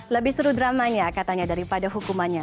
lebih seru dramanya katanya daripada hukumannya